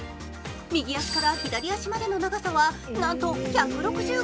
右足から左足までの長さは、なんと１６５ｃｍ。